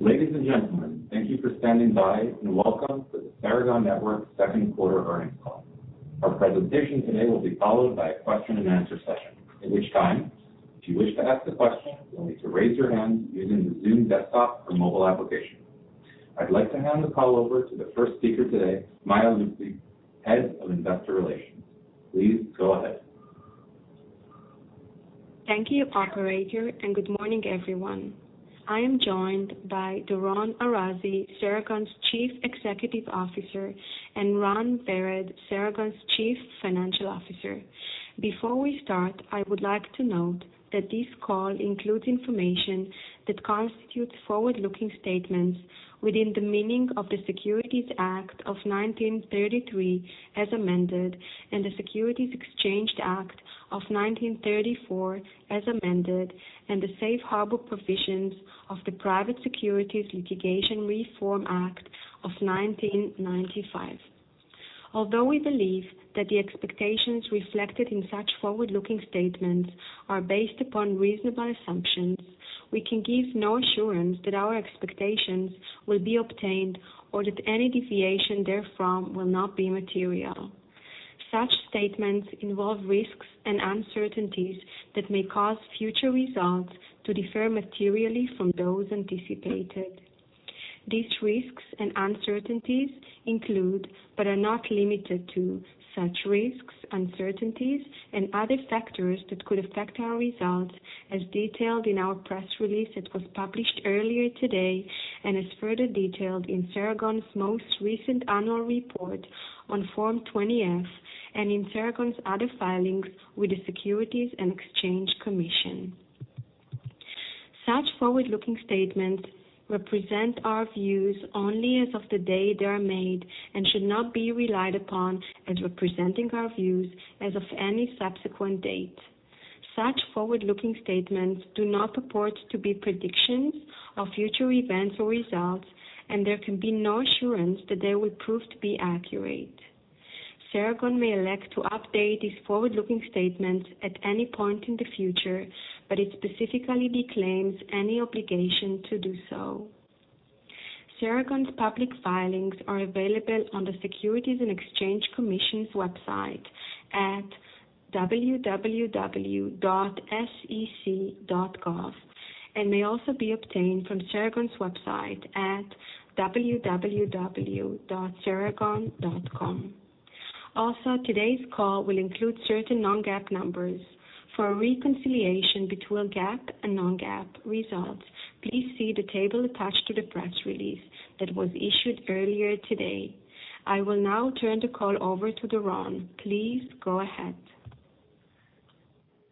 Ladies and gentlemen, thank you for standing by, and welcome to the Ceragon Networks second quarter earnings call. Our presentation today will be followed by a question and answer session. At which time, if you wish to ask a question, you'll need to raise your hand using the Zoom desktop or mobile application. I'd like to hand the call over to the first speaker today, Maya Lustig, Head of Investor Relations. Please go ahead. Thank you, operator, and good morning, everyone. I am joined by Doron Arazi, Ceragon's Chief Executive Officer, and Ran Vered, Ceragon's Chief Financial Officer. Before we start, I would like to note that this call includes information that constitutes forward-looking statements within the meaning of the Securities Act of 1933, as amended, and the Securities Exchange Act of 1934, as amended, and the safe harbor provisions of the Private Securities Litigation Reform Act of 1995. Although we believe that the expectations reflected in such forward-looking statements are based upon reasonable assumptions, we can give no assurance that our expectations will be obtained or that any deviation therefrom will not be material. Such statements involve risks and uncertainties that may cause future results to differ materially from those anticipated. These risks and uncertainties include, but are not limited to, such risks, uncertainties, and other factors that could affect our results as detailed in our press release that was published earlier today and is further detailed in Ceragon's most recent annual report on Form 20-F and in Ceragon's other filings with the Securities and Exchange Commission. Such forward-looking statements represent our views only as of the day they are made and should not be relied upon as representing our views as of any subsequent date. Such forward-looking statements do not purport to be predictions of future events or results, and there can be no assurance that they will prove to be accurate. Ceragon may elect to update these forward-looking statements at any point in the future, but it specifically disclaims any obligation to do so. Ceragon's public filings are available on the Securities and Exchange Commission's website at www.sec.gov and may also be obtained from Ceragon's website at www.ceragon.com. Today's call will include certain non-GAAP numbers. For a reconciliation between GAAP and non-GAAP results, please see the table attached to the press release that was issued earlier today. I will now turn the call over to Doron. Please go ahead.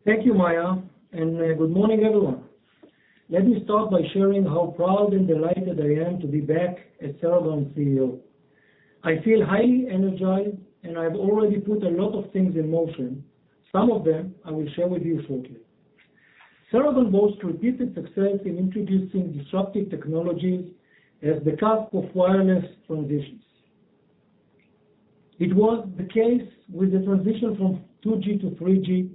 Thank you, Maya, and good morning, everyone. Let me start by sharing how proud and delighted I am to be back as Ceragon CEO. I feel highly energized, and I've already put a lot of things in motion. Some of them I will share with you shortly. Ceragon boasts repeated success in introducing disruptive technologies at the cusp of wireless transitions. It was the case with the transition from 2G to 3G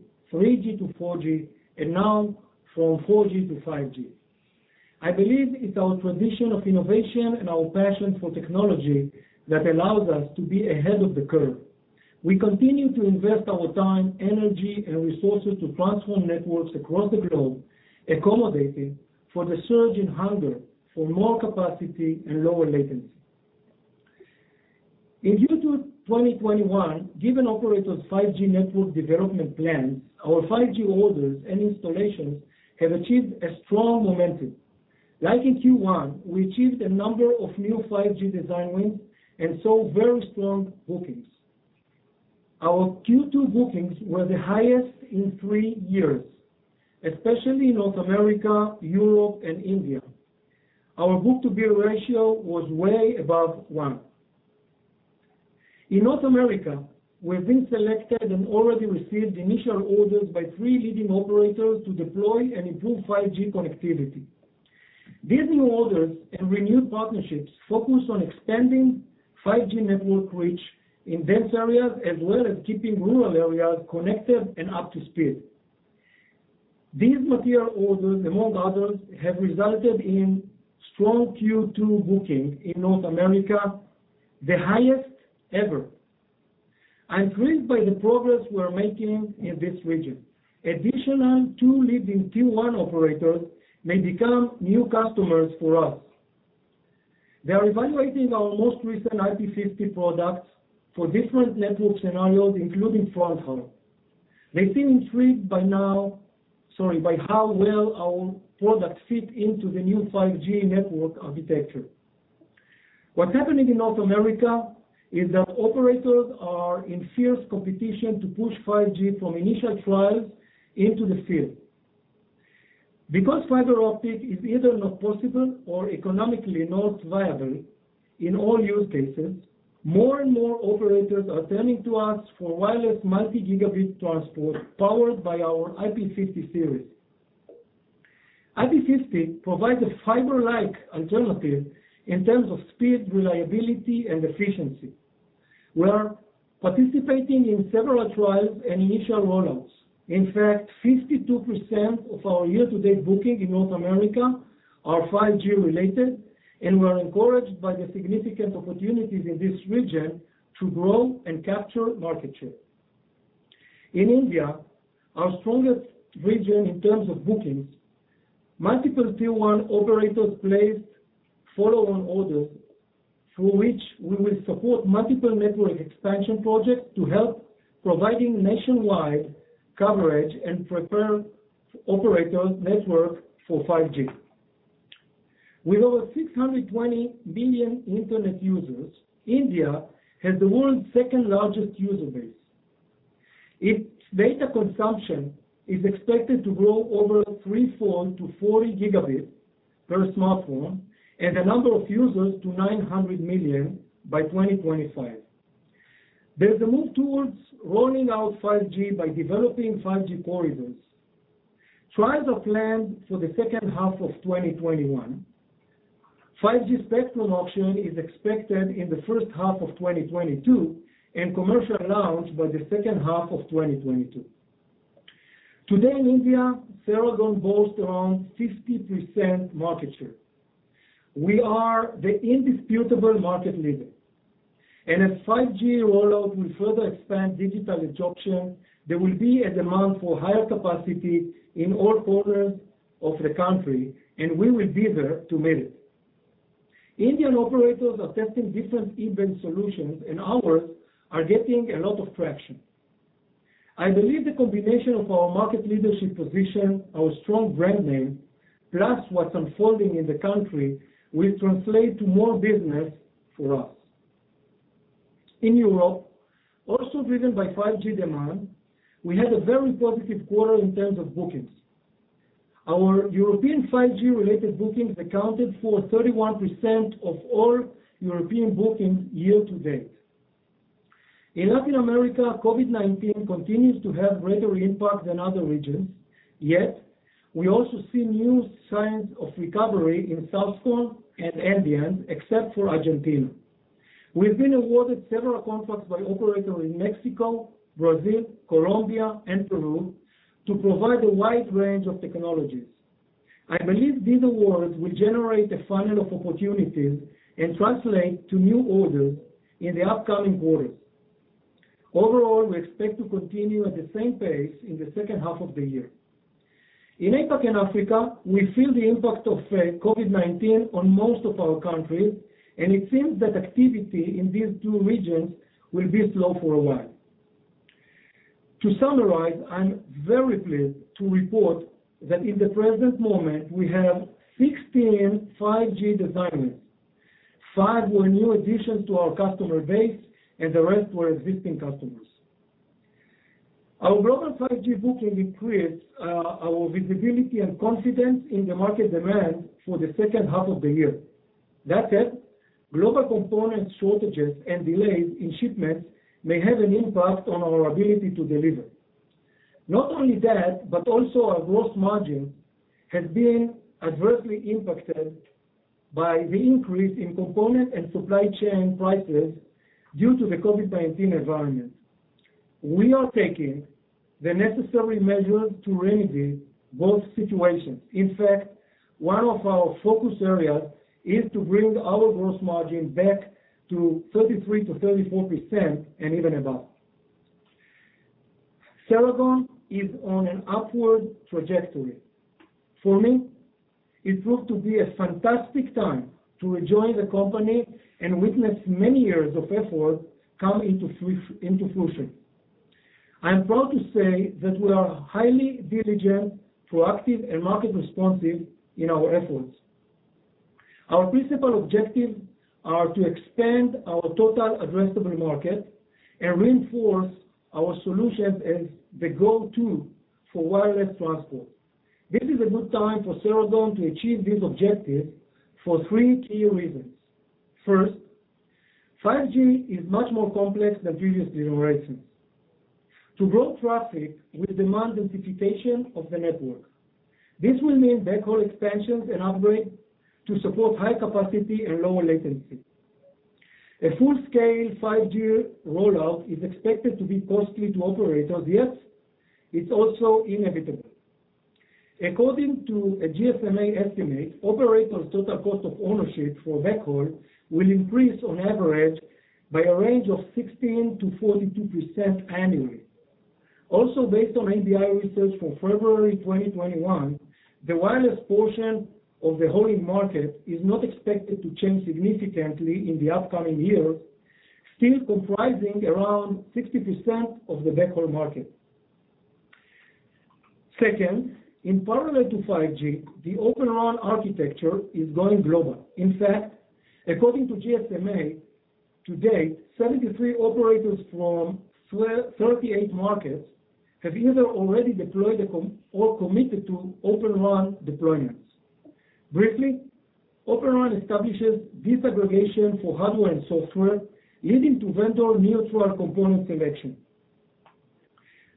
to 4G, and now from 4G to 5G. I believe it's our tradition of innovation and our passion for technology that allows us to be ahead of the curve. We continue to invest our time, energy, and resources to transform networks across the globe, accommodating for the surge in hunger for more capacity and lower latency. In Q2 2021, given operators' 5G network development plans, our 5G orders and installations have achieved a strong momentum. Like in Q1, we achieved a number of new 5G design wins and saw very strong bookings. Our Q2 bookings were the highest in three years, especially in North America, Europe, and India. Our book-to-bill ratio was way above one. In North America, we've been selected and already received initial orders by three leading operators to deploy and improve 5G connectivity. These new orders and renewed partnerships focus on expanding 5G network reach in dense areas, as well as keeping rural areas connected and up to speed. These material orders, among others, have resulted in strong Q2 booking in North America, the highest ever. I'm pleased by the progress we're making in this region. Additional two leading tier-1 operators may become new customers for us. They are evaluating our most recent IP-50 products for different network scenarios, including fronthaul. They seem intrigued by how well our products fit into the new 5G network architecture. What's happening in North America is that operators are in fierce competition to push 5G from initial trials into the field. Because fiber optic is either not possible or economically not viable in all use cases, more and more operators are turning to us for wireless multi-gigabit transport powered by our IP-50 series. IP-50 provides a fiber-like alternative in terms of speed, reliability, and efficiency. We are participating in several trials and initial rollouts. In fact, 52% of our year-to-date booking in North America are 5G related, and we're encouraged by the significant opportunities in this region to grow and capture market share. In India, our strongest region in terms of bookings, multiple tier one operators placed follow-on orders through which we will support multiple network expansion projects to help providing nationwide coverage and prepare operators network for 5G. With over 620 million internet users, India has the world's second-largest user base. Its data consumption is expected to grow over three fold to 40 GB per smartphone, and the number of users to 900 million by 2025. There's a move towards rolling out 5G by developing 5G corridors. Trials are planned for the second half of 2021. 5G spectrum auction is expected in the first half of 2022, commercial launch by the second half of 2022. Today in India, Ceragon boasts around 50% market share. We are the indisputable market leader. As 5G rollout will further expand digital adoption, there will be a demand for higher capacity in all corners of the country, and we will be there to meet it. Indian operators are testing different E-band solutions, and ours are getting a lot of traction. I believe the combination of our market leadership position, our strong brand name, plus what's unfolding in the country, will translate to more business for us. In Europe, also driven by 5G demand, we had a very positive quarter in terms of bookings. Our European 5G related bookings accounted for 31% of all European bookings year to date. In Latin America, COVID-19 continues to have greater impact than other regions. Yet, we also see new signs of recovery in South Cone and Andean, except for Argentina. We've been awarded several contracts by operators in Mexico, Brazil, Colombia and Peru to provide a wide range of technologies. I believe these awards will generate a funnel of opportunities and translate to new orders in the upcoming quarters. Overall, we expect to continue at the same pace in the second half of the year. In APAC and Africa, we feel the impact of COVID-19 on most of our countries, and it seems that activity in these two regions will be slow for a while. To summarize, I'm very pleased to report that in the present moment, we have 16 5G designs. Five were new additions to our customer base, and the rest were existing customers. Our global 5G booking increase our visibility and confidence in the market demand for the second half of the year. That said, global component shortages and delays in shipments may have an impact on our ability to deliver. Not only that, but also our gross margin has been adversely impacted by the increase in component and supply chain prices due to the COVID-19 environment. We are taking the necessary measures to remedy both situations. In fact, one of our focus areas is to bring our gross margin back to 33%-34%, and even above. Ceragon is on an upward trajectory. For me, it proved to be a fantastic time to rejoin the company and witness many years of effort come into fruition. I am proud to say that we are highly diligent, proactive, and market responsive in our efforts. Our principal objectives are to expand our total addressable market and reinforce our solution as the go-to for wireless transport. This is a good time for Ceragon to achieve these objectives for three key reasons. First, 5G is much more complex than previous generations. To grow traffic will demand densification of the network. This will mean backhaul expansions and upgrade to support high capacity and lower latency. A full-scale 5G rollout is expected to be costly to operators, yet it's also inevitable. According to a GSMA estimate, operators' total cost of ownership for backhaul will increase on average by a range of 16%-42% annually. Also, based on ABI Research from February 2021, the wireless portion of the whole market is not expected to change significantly in the upcoming years, still comprising around 60% of the backhaul market. Second, in parallel to 5G, the Open RAN architecture is going global. In fact, according to GSMA, to date, 73 operators from 38 markets have either already deployed or committed to Open RAN deployments. Briefly, Open RAN establishes disaggregation for hardware and software, leading to vendor neutral component selection.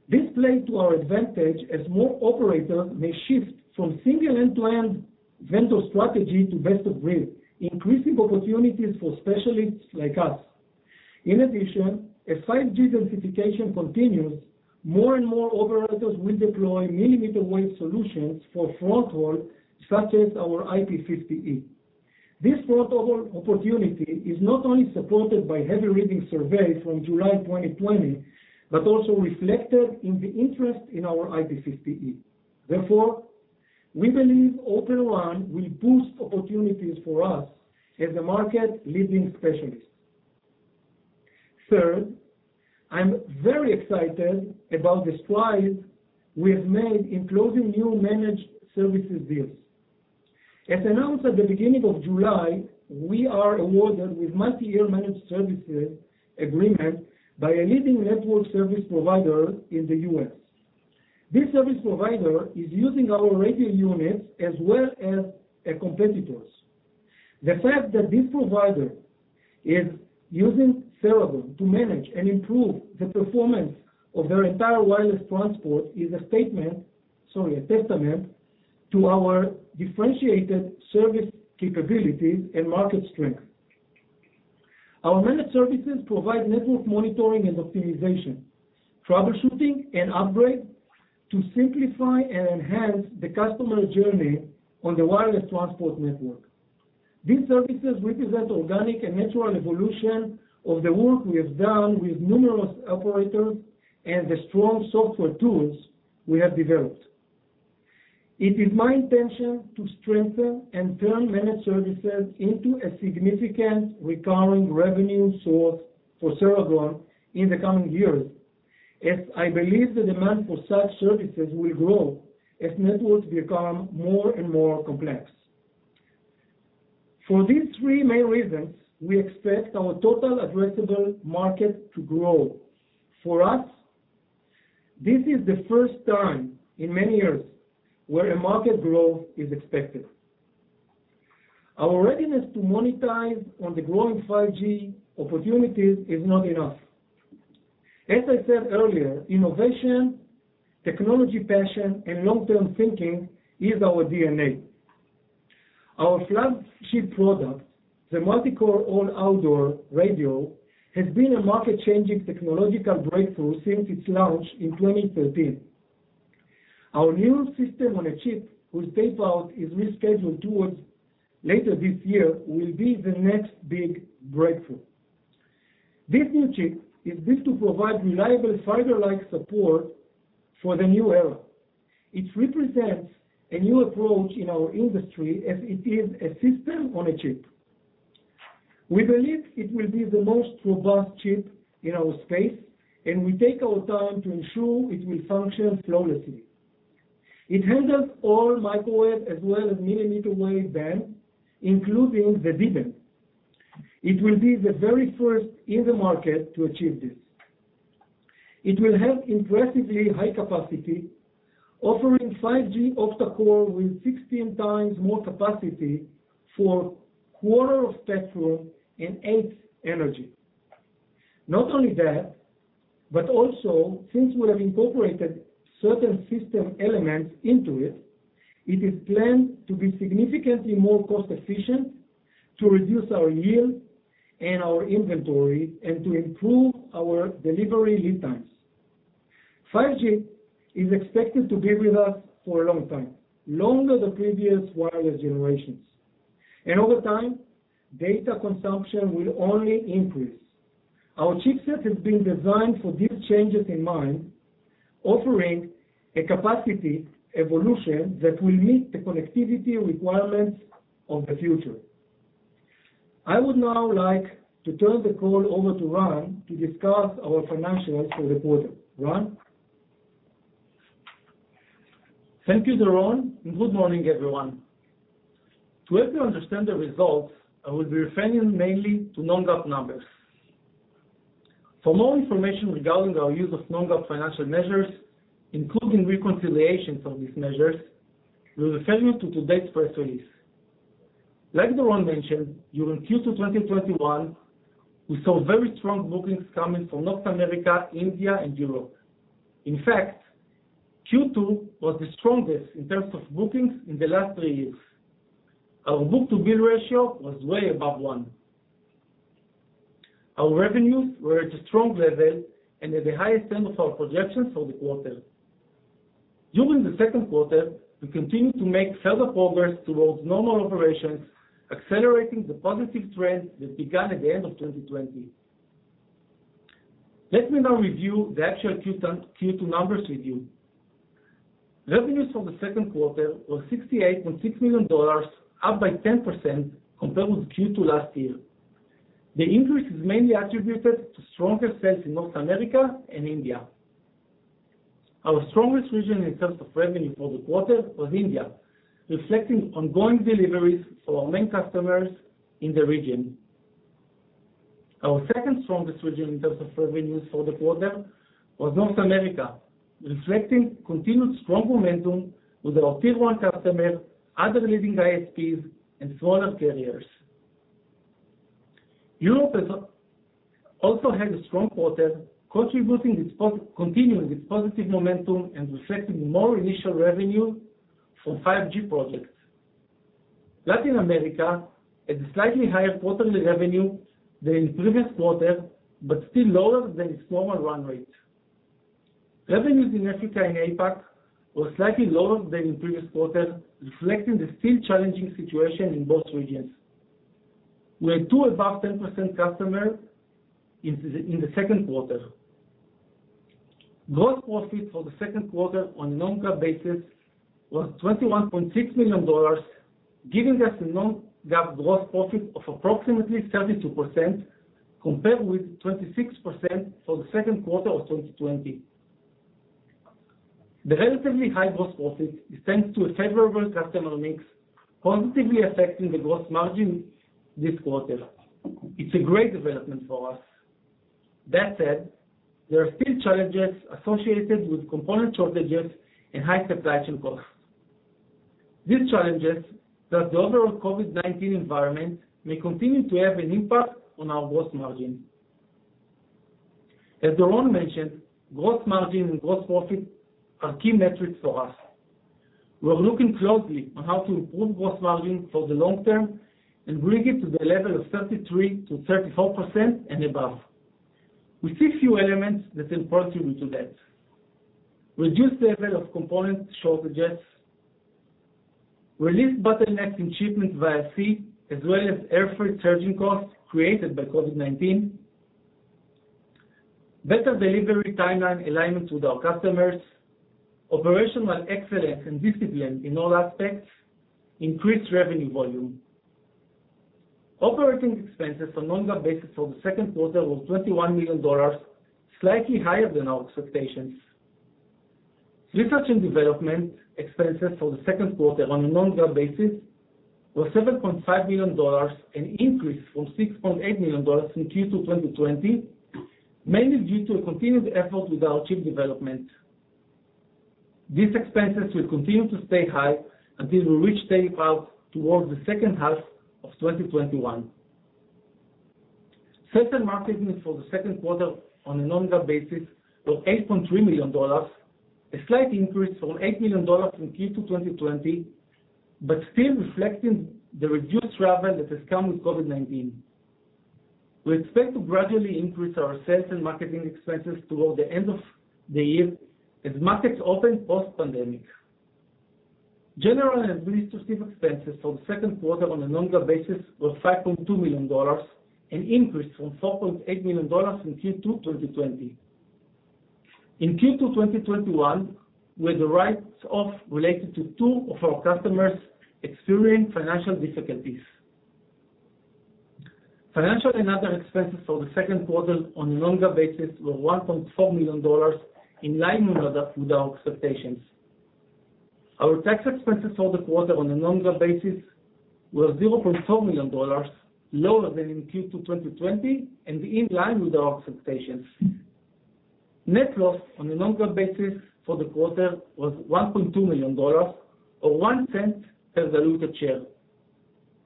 This play to our advantage as more operators may shift from single end-to-end vendor strategy to best of breed, increasing opportunities for specialists like us. In addition, as 5G densification continues, more and more operators will deploy millimeter wave solutions for fronthaul, such as our IP-50E. This fronthaul opportunity is not only supported by Heavy Reading surveys from July 2020, but also reflected in the interest in our IP-50E. Therefore, we believe Open RAN will boost opportunities for us as a market leading specialist. Third, I'm very excited about the strides we have made in closing new managed services deals. As announced at the beginning of July, we are awarded with multi-year managed services agreement by a leading network service provider in the U.S. This service provider is using our radio units as well as competitors. The fact that this provider is using Ceragon to manage and improve the performance of their entire wireless transport is a statement, sorry, a testament to our differentiated service capabilities and market strength. Our managed services provide network monitoring and optimization, troubleshooting and upgrade to simplify and enhance the customer journey on the wireless transport network. These services represent organic and natural evolution of the work we have done with numerous operators and the strong software tools we have developed. It is my intention to strengthen and turn managed services into a significant recurring revenue source for Ceragon in the coming years, as I believe the demand for such services will grow as networks become more and more complex. For these three main reasons, we expect our total addressable market to grow. For us, this is the first time in many years where a market growth is expected. Our readiness to monetize on the growing 5G opportunities is not enough. As I said earlier, innovation, technology passion, and long-term thinking is our DNA. Our flagship product, the multicore all-outdoor radio, has been a market-changing technological breakthrough since its launch in 2013. Our new System on a Chip, whose tape-out is rescheduled towards later this year, will be the next big breakthrough. This new chip is built to provide reliable fiber-like support for the new era. It represents a new approach in our industry as it is a System on a Chip. We believe it will be the most robust chip in our space, and we take our time to ensure it will function flawlessly. It handles all microwave as well as millimeter wave band, including the V-band. It will be the very first in the market to achieve this. It will have impressively high capacity, offering 5G octa-core with 16 times more capacity for quarter of spectrum and eighth energy. Not only that, but also since we have incorporated certain system elements into it is planned to be significantly more cost efficient to reduce our yield and our inventory and to improve our delivery lead times. 5G is expected to be with us for a long time, longer than previous wireless generations. Over time, data consumption will only increase. Our chipset has been designed for these changes in mind, offering a capacity evolution that will meet the connectivity requirements of the future. I would now like to turn the call over to Ran to discuss our financials for the quarter. Ran? Thank you, Doron, good morning, everyone. To help you understand the results, I will be referring mainly to non-GAAP numbers. For more information regarding our use of non-GAAP financial measures, including reconciliations of these measures, we refer you to today's press release. Like Doron mentioned, during Q2 2021, we saw very strong bookings coming from North America, India and Europe. In fact, Q2 was the strongest in terms of bookings in the last three years. Our book-to-bill ratio was way above one. Our revenues were at a strong level and at the highest end of our projections for the quarter. During the second quarter, we continued to make further progress towards normal operations, accelerating the positive trend that began at the end of 2020. Let me now review the actual Q2 numbers with you. Revenues for the second quarter were $68.6 million, up by 10% compared with Q2 last year. The increase is mainly attributed to stronger sales in North America and India. Our strongest region in terms of revenue for the quarter was India, reflecting ongoing deliveries for our main customers in the region. Our second strongest region in terms of revenues for the quarter was North America, reflecting continued strong momentum with our tier one customer, other leading ISPs and smaller carriers. Europe also had a strong quarter, continuing its positive momentum and reflecting more initial revenue from 5G projects. Latin America had a slightly higher quarterly revenue than in previous quarter, but still lower than its normal run rate. Revenues in Africa and APAC were slightly lower than in previous quarter, reflecting the still challenging situation in both regions. We had two above 10% customer in the second quarter. Gross profit for the second quarter on a non-GAAP basis was $21.6 million, giving us a non-GAAP gross profit of approximately 32% compared with 26% for the second quarter of 2020. The relatively high gross profit is thanks to a favorable customer mix positively affecting the gross margin this quarter. It's a great development for us. That said, there are still challenges associated with component shortages and high supply chain costs. These challenges, plus the overall COVID-19 environment, may continue to have an impact on our gross margin. As Doron mentioned, gross margin and gross profit are key metrics for us. We are looking closely on how to improve gross margin for the long term and bring it to the level of 33%-34% and above. We see a few elements that will contribute to that. Reduced level of component shortages, released bottlenecks in shipments via sea, as well as air freight surging costs created by COVID-19, better delivery timeline alignment with our customers, operational excellence and discipline in all aspects, increased revenue volume. Operating expenses on non-GAAP basis for the second quarter were $21 million, slightly higher than our expectations. Research and development expenses for the second quarter on a non-GAAP basis were $7.5 million, an increase from $6.8 million in Q2 2020, mainly due to a continued effort with our chip development. These expenses will continue to stay high until we reach tape-out towards the second half of 2021. Sales and marketing for the second quarter on a non-GAAP basis were $8.3 million, a slight increase from $8 million in Q2 2020, but still reflecting the reduced revenue that has come with COVID-19. We expect to gradually increase our sales and marketing expenses toward the end of the year as markets open post-pandemic. General and administrative expenses for the second quarter on a non-GAAP basis were $5.2 million, an increase from $4.8 million in Q2 2020. In Q2 2021, we had a write-off related to two of our customers experiencing financial difficulties. Financial and other expenses for the second quarter on a non-GAAP basis were $1.4 million, in line with our expectations. Our tax expenses for the quarter on a non-GAAP basis were $0.4 million, lower than in Q2 2020 and in line with our expectations. Net loss on a non-GAAP basis for the quarter was $1.2 million or $0.01 per diluted share.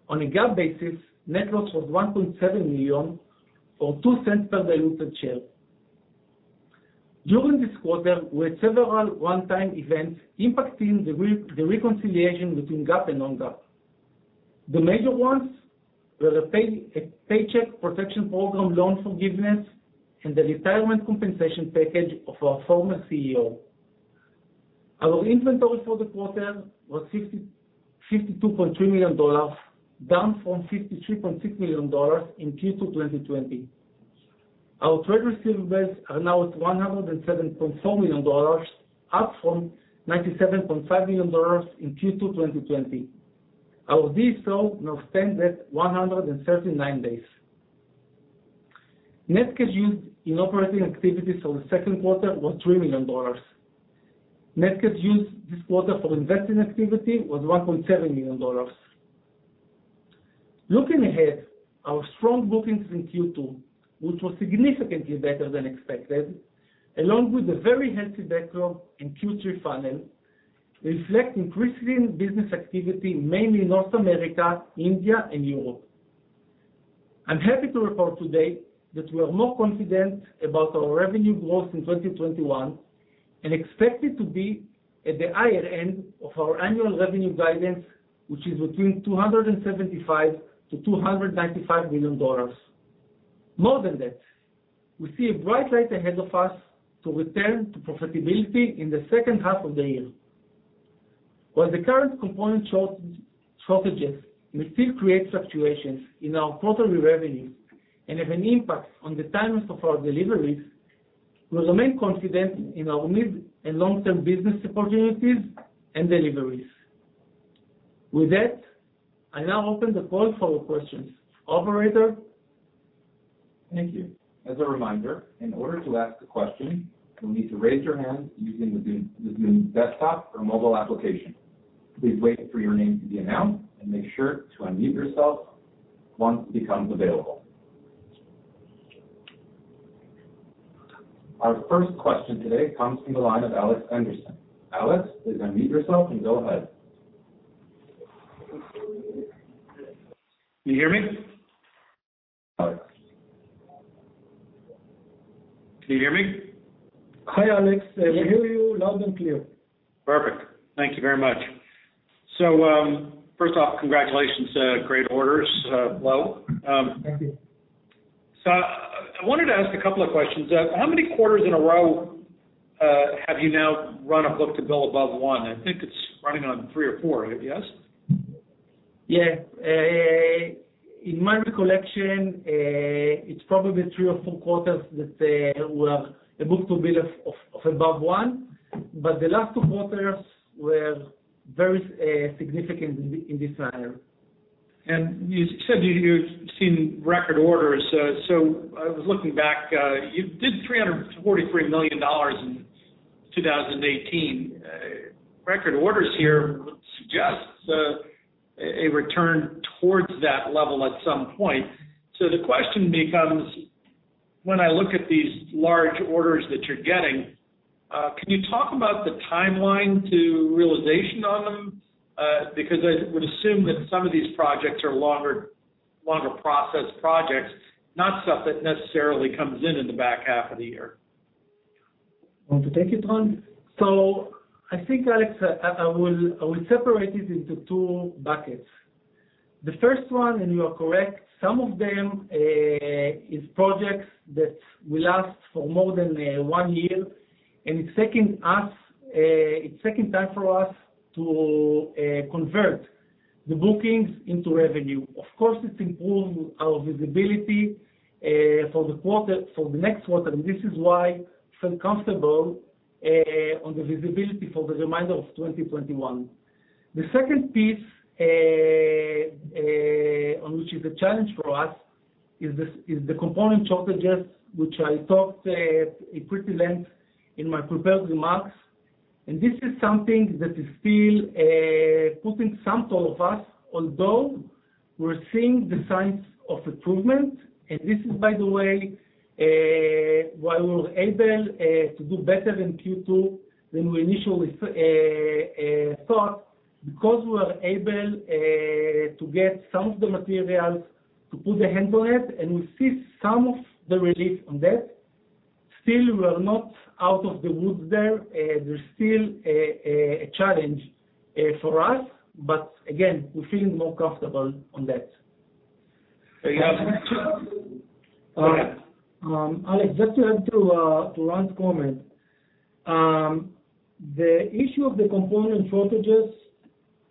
On a GAAP basis, net loss was $1.7 million, or $0.02 per diluted share. During this quarter, we had several one-time events impacting the reconciliation between GAAP and non-GAAP. The major ones were the Paycheck Protection Program loan forgiveness and the retirement compensation package of our former CEO. Our inventory for the quarter was $52.3 million, down from $53.6 million in Q2 2020. Our trade receivables are now at $107.4 million, up from $97.5 million in Q2 2020. Our [days] sales now stand at 139 days. Net cash used in operating activities for the second quarter was $3 million. Net cash used this quarter for investing activity was $1.7 million. Looking ahead, our strong bookings in Q2, which were significantly better than expected, along with a very healthy backlog in Q3 funnel, reflect increasing business activity mainly in North America, India, and Europe. I'm happy to report today that we are more confident about our revenue growth in 2021 and expect it to be at the higher end of our annual revenue guidance, which is between $275 million-$295 million. More than that, we see a bright light ahead of us to return to profitability in the second half of the year. While the current component shortages may still create fluctuations in our quarterly revenues and have an impact on the timelines of our deliveries, we remain confident in our mid and long-term business opportunities and deliveries. With that, I now open the call for questions. Operator? Thank you. As a reminder, in order to ask a question, you'll need to raise your hand using the Zoom desktop or mobile application. Please wait for your name to be announced and make sure to unmute yourself once it becomes available. Our first question today comes from the line of Alex Henderson. Alex, please unmute yourself and go ahead. Can you hear me? Can you hear me? Hi, Alex. I hear you loud and clear. Perfect. Thank you very much. First off, congratulations. Great orders, low. Thank you. I wanted to ask a couple of questions. How many quarters in a row have you now run a book-to-bill above one? I think it's running on three or four, yes? Yeah. In my recollection, it's probably three or four quarters that were a book-to-bill of above one, but the last two quarters were very significant in this area. You said you've seen record orders. I was looking back, you did $343 million in 2018. Record orders here would suggest a return towards that level at some point. The question becomes, when I look at these large orders that you're getting, can you talk about the timeline to realization on them? Because I would assume that some of these projects are longer process projects, not stuff that necessarily comes in in the back half of the year? Want to take it, Ran? I think, Alex, I will separate it into two buckets. The first one, and you are correct, some of them is projects that will last for more than one year, and it's taking time for us to convert the bookings into revenue. Of course, it improves our visibility for the next quarter, and this is why I feel comfortable on the visibility for the remainder of 2021. The second piece, on which is a challenge for us, is the component shortages, which I talked at pretty length in my prepared remarks. This is something that is still putting some toll on us, although we're seeing the signs of improvement. This is, by the way, why we were able to do better in Q2 than we initially thought, because we were able to get some of the materials to put a handle on it, and we see some of the relief on that. Still, we are not out of the woods there. There's still a challenge for us. Again, we're feeling more comfortable on that. Yeah. Alex, just to add to Ran's comment. The issue of the component shortages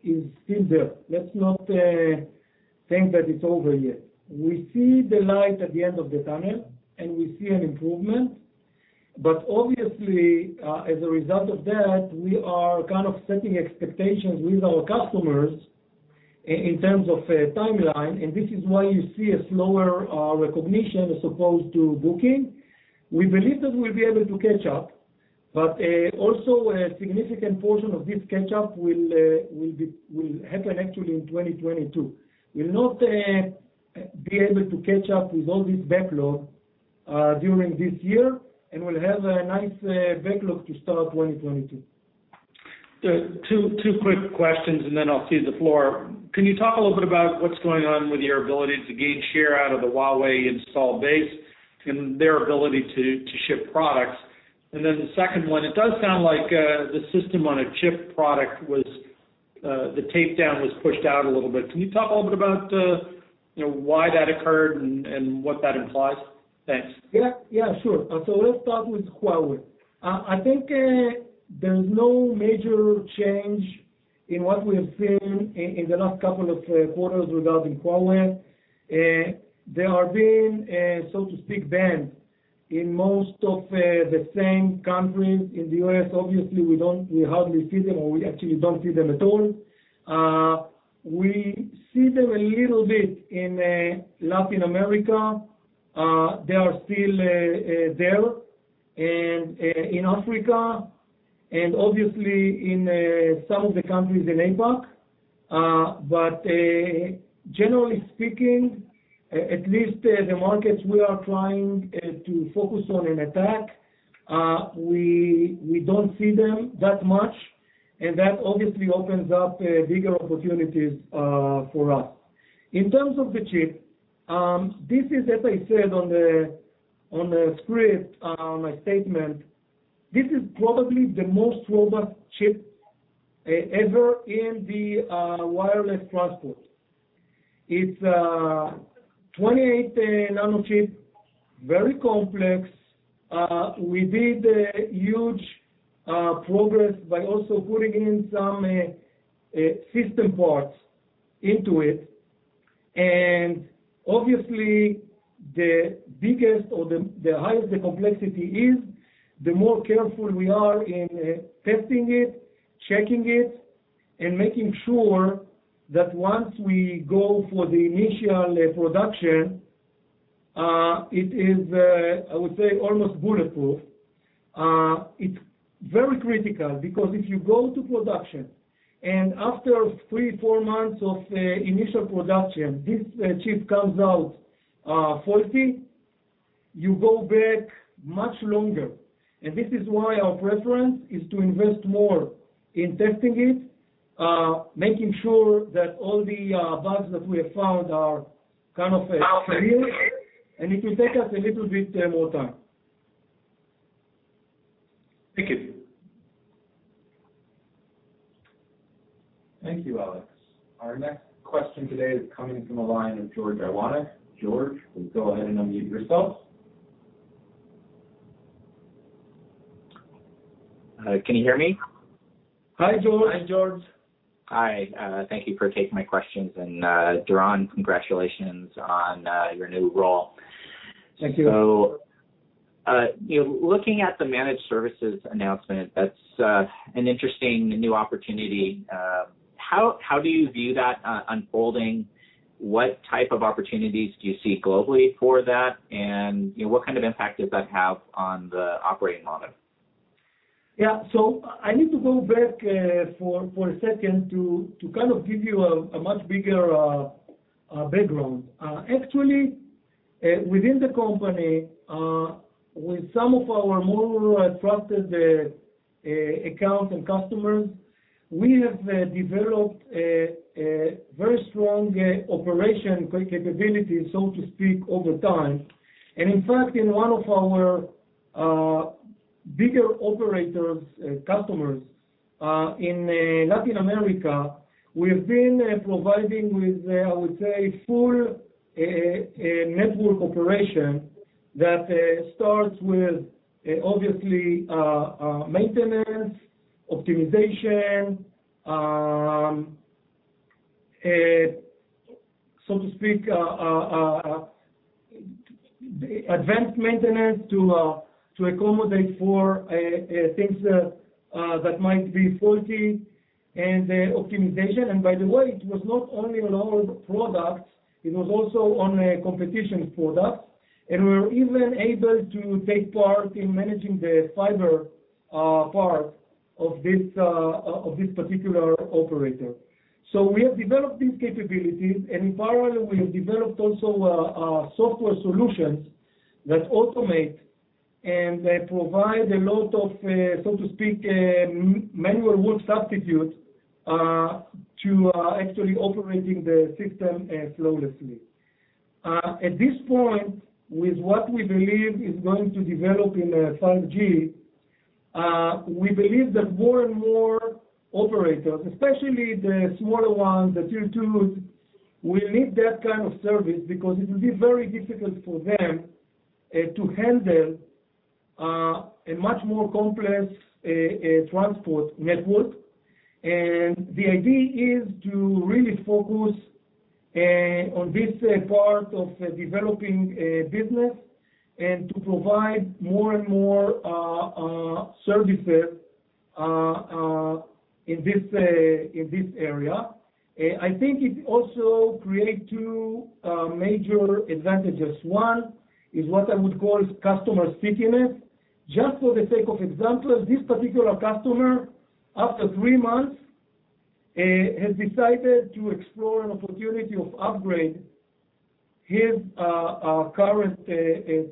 is still there. Let's not think that it's over yet. We see the light at the end of the tunnel, and we see an improvement. Obviously, as a result of that, we are kind of setting expectations with our customers in terms of timeline, and this is why you see a slower recognition as opposed to booking. We believe that we'll be able to catch up, also a significant portion of this catch-up will happen actually in 2022. We'll not be able to catch up with all this backlog during this year, and we'll have a nice backlog to start 2022. Two quick questions, and then I'll cede the floor. Can you talk a little bit about what's going on with your ability to gain share out of the Huawei install base and their ability to ship products? The second one, it does sound like the System on a Chip product, the takedown was pushed out a little bit. Can you talk a little bit about why that occurred and what that implies? Thanks. Yeah. Sure. Let's start with Huawei. I think there's no major change in what we have seen in the last couple of quarters regarding Huawei. They are being, so to speak, banned in most of the same countries. In the U.S., obviously, we hardly see them, or we actually don't see them at all. We see them a little bit in Latin America. They are still there, and in Africa, and obviously in some of the countries in APAC. Generally speaking, at least the markets we are trying to focus on and attack, we don't see them that much, and that obviously opens up bigger opportunities for us. In terms of the chip, this is as I said on the script, my statement, this is probably the most robust chip ever in the wireless transport. It's a 28 nm chip, very complex. We did huge progress by also putting in some system parts into it. Obviously, the biggest or the highest the complexity is, the more careful we are in testing it, checking it, and making sure that once we go for the initial production, it is, I would say, almost bulletproof. Very critical, because if you go to production and after three, four months of initial production, this chip comes out faulty, you go back much longer. This is why our preference is to invest more in testing it, making sure that all the bugs that we have found are kind of cleared. It will take us a little bit more time. Thank you. Thank you, Alex. Our next question today is coming from the line of George Iwanyc. George, please go ahead and unmute yourself. Can you hear me? Hi, George. Hi, George. Hi. Thank you for taking my questions. Doron, congratulations on your new role. Thank you. Looking at the managed services announcement, that's an interesting new opportunity. How do you view that unfolding? What type of opportunities do you see globally for that? What kind of impact does that have on the operating model? I need to go back for a second to give you a much bigger background. Actually, within the company, with some of our more trusted accounts and customers, we have developed a very strong operation capability, so to speak, over time. In fact, in one of our bigger operators customers in Latin America, we've been providing with, I would say, full network operation that starts with, obviously, maintenance, optimization, so to speak, advanced maintenance to accommodate for things that might be faulty, and optimization. By the way, it was not only on our products, it was also on a competition product. We're even able to take part in managing the fiber part of this particular operator. We have developed these capabilities, and in parallel, we have developed also software solutions that automate and provide a lot of, so to speak, manual work substitute to actually operating the system flawlessly. At this point, with what we believe is going to develop in 5G, we believe that more and more operators, especially the smaller ones, the tier 2s, will need that kind of service because it will be very difficult for them to handle a much more complex transport network. The idea is to really focus on this part of developing business and to provide more and more services in this area. I think it also create two major advantages. One, is what I would call customer stickiness. Just for the sake of example, this particular customer, after three months, has decided to explore an opportunity of upgrade his current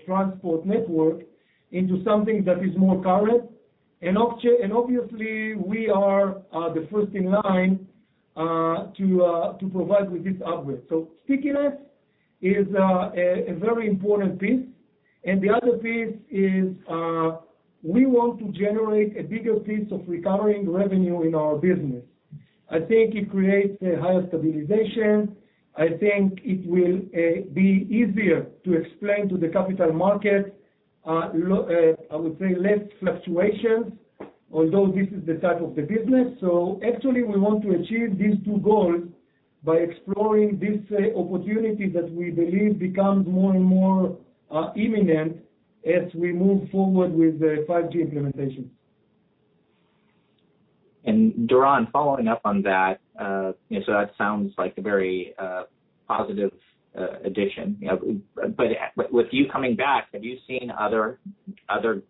transport network into something that is more current. Obviously, we are the first in line to provide with this upgrade. Stickiness is a very important piece. The other piece is, we want to generate a bigger piece of recurring revenue in our business. I think it creates a higher stabilization. I think it will be easier to explain to the capital market, I would say less fluctuations, although this is the type of the business. Actually, we want to achieve these two goals by exploring this opportunity that we believe becomes more and more imminent as we move forward with the 5G implementation. Doron, following up on that sounds like a very positive addition. With you coming back, have you seen other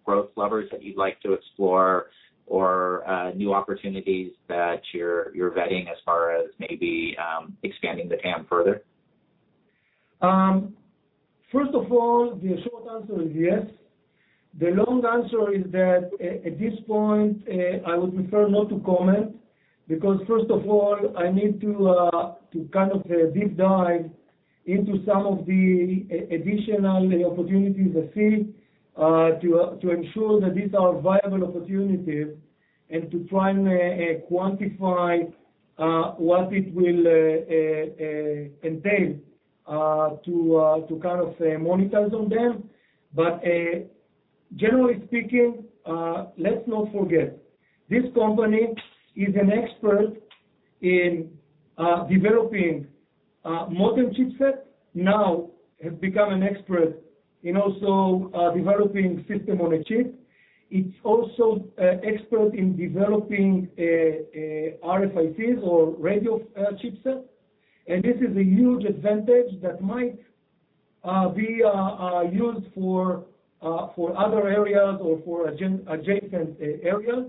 growth levers that you'd like to explore or new opportunities that you're vetting as far as maybe expanding the TAM further? First of all, the short answer is yes. The long answer is that, at this point, I would prefer not to comment because, first of all, I need to deep dive into some of the additional opportunities I see, to ensure that these are viable opportunities and to try and quantify what it will entail to monetize on them. Generally speaking, let's not forget, this company is an expert in developing modern chipset, now has become an expert in also developing System on a Chip. It's also expert in developing RFICs or radio chipset. This is a huge advantage that might be used for other areas or for adjacent areas.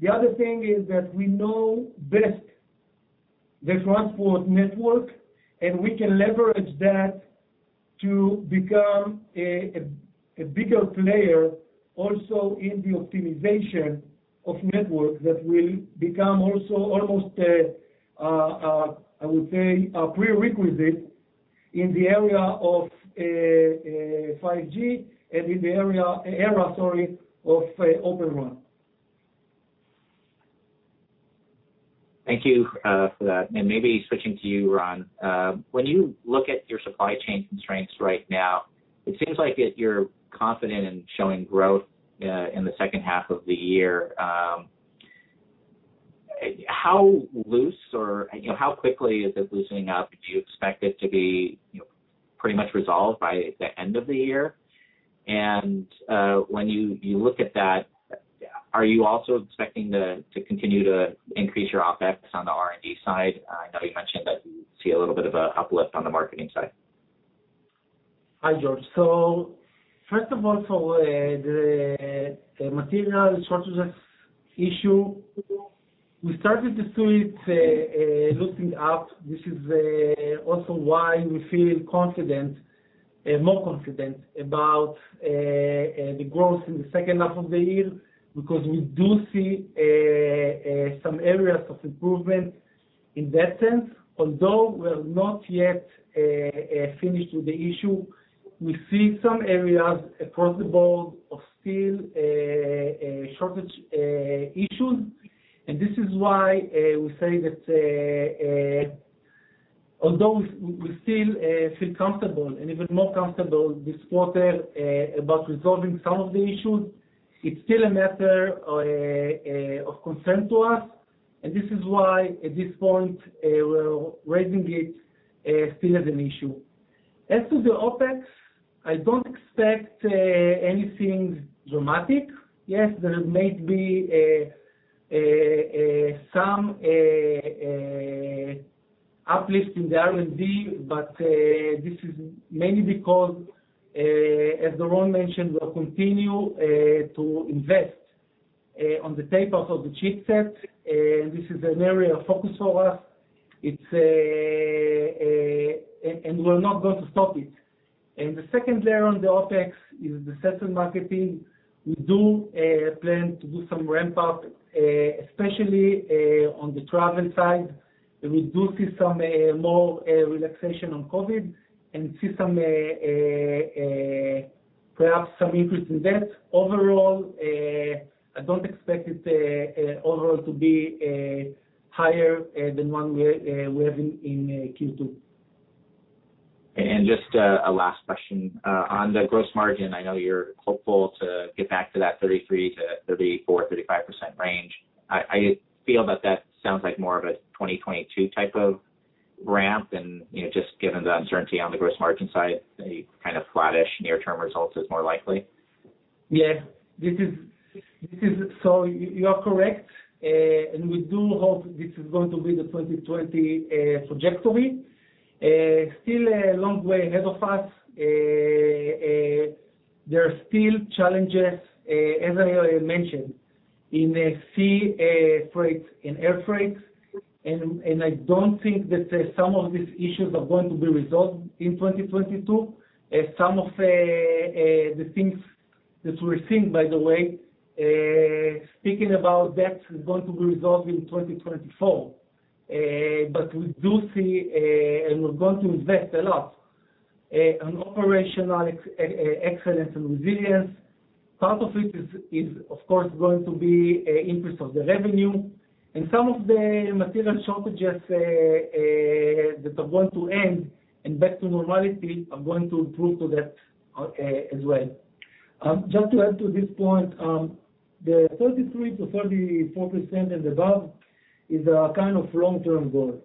The other thing is that we know best the transport network, and we can leverage that to become a bigger player also in the optimization of networks that will become also almost, I would say, a prerequisite in the area of 5G and in the era of Open RAN. Thank you for that. Maybe switching to you, Ran, when you look at your supply chain constraints right now, it seems like that you're confident in showing growth in the second half of the year. How loose or how quickly is it loosening up? Do you expect it to be pretty much resolved by the end of the year? When you look at that, are you also expecting to continue to increase your OpEx on the R&D side? I know you mentioned that you see a little bit of a uplift on the marketing side? Hi, George. First of all, the material shortages issue, we started to see it loosening up, which is also why we feel confident, more confident about the growth in the second half of the year because we do see some areas of improvement in that sense. Although we're not yet finished with the issue, we see some areas across the board of still shortage issues. This is why we say that although we still feel comfortable and even more comfortable this quarter about resolving some of the issues, it's still a matter of concern to us. This is why at this point, we're raising it still as an issue. As to the OpEx, I don't expect anything dramatic. Yes, there may be some uplift in the R&D. This is mainly because, as Doron mentioned, we'll continue to invest on the tape-out of the chipset. This is an area of focus for us. We're not going to stop it. The second layer on the OpEx is the sales and marketing. We do plan to do some ramp up, especially on the travel side. We do see some more relaxation on COVID and see perhaps some increase in that. Overall, I don't expect it overall to be higher than one year we have in Q2. Just a last question. On the gross margin, I know you're hopeful to get back to that 33%-34%, 35% range. I feel that that sounds like more of a 2022 type of ramp and, just given the uncertainty on the gross margin side, a kind of flattish near-term results is more likely? Yeah. You are correct, and we do hope this is going to be the 2020 trajectory. Still a long way ahead of us. There are still challenges, as I already mentioned, in sea freight and air freight, and I don't think that some of these issues are going to be resolved in 2022. Some of the things that we're seeing, by the way, speaking about that, is going to be resolved in 2024. We do see, and we're going to invest a lot on operational excellence and resilience. Part of it is, of course, going to be interest of the revenue. Some of the material shortages that are going to end and back to normality are going to improve to that as well. Just to add to this point, the 33%-34% and above is a kind of long-term goal.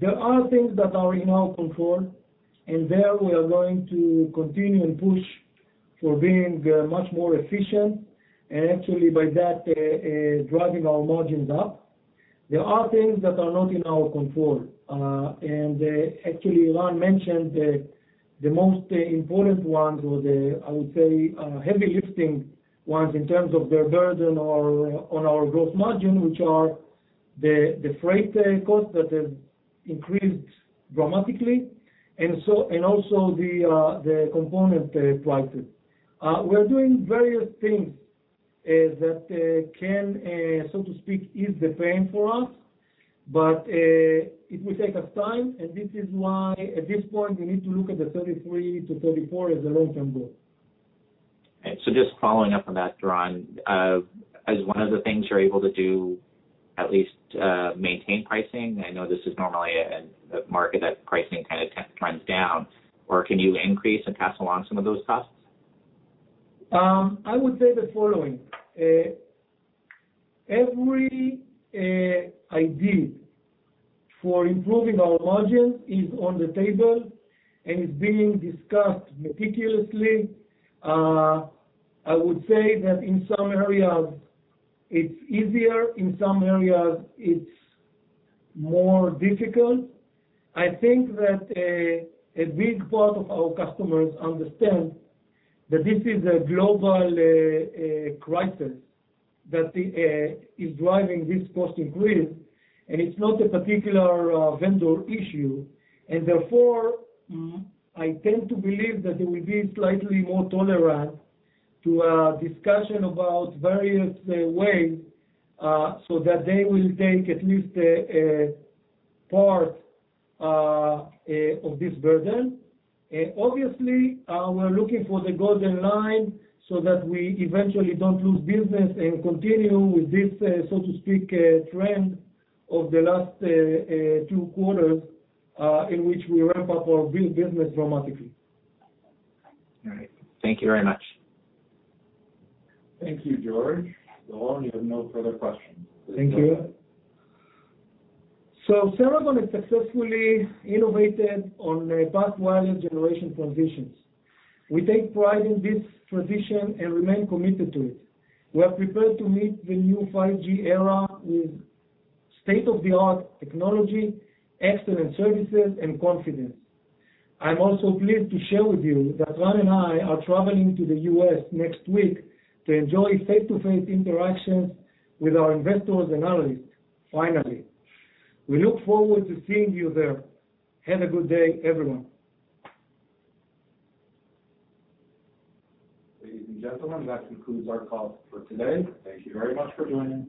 There are things that are in our control, and there we are going to continue and push for being much more efficient, and actually by that, driving our margins up. There are things that are not in our control. Actually, Ran mentioned the most important ones or the, I would say, heavy lifting ones in terms of their burden or on our growth margin, which are the freight costs that have increased dramatically, and also the component prices. We're doing various things that can, so to speak, ease the pain for us, but it will take us time, and this is why at this point, we need to look at the 33%-34% as a long-term goal. Just following up on that, Doron, as one of the things you're able to do, at least maintain pricing? I know this is normally a market that pricing kind of trends down. Or can you increase and pass along some of those costs? I would say the following. Every idea for improving our margins is on the table and is being discussed meticulously. I would say that in some areas, it's easier. In some areas, it's more difficult. I think that a big part of our customers understand that this is a global crisis that is driving this cost increase, and it's not a particular vendor issue. Therefore, I tend to believe that they will be slightly more tolerant to a discussion about various ways, so that they will take at least a part of this burden. Obviously, we're looking for the golden line so that we eventually don't lose business and continue with this, so to speak, trend of the last two quarters, in which we ramp up our bill business dramatically. All right. Thank you very much. Thank you, George. Doron, you have no further questions. Thank you. Ceragon has successfully innovated on path wireless generation transitions. We take pride in this tradition and remain committed to it. We are prepared to meet the new 5G era with state-of-the-art technology, excellent services, and confidence. I'm also pleased to share with you that Ran and I are traveling to the U.S. next week to enjoy face-to-face interactions with our investors and analysts, finally. We look forward to seeing you there. Have a good day, everyone. Ladies and gentlemen, that concludes our call for today. Thank you very much for joining.